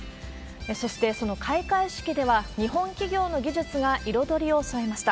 そして、その開会式では日本企業の技術が彩りを添えました。